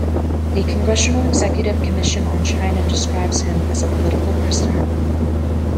The Congressional-Executive Commission on China describes him as a political prisoner.